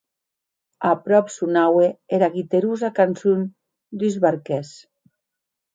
Aprop sonaue era guiterosa cançon d’uns barquèrs.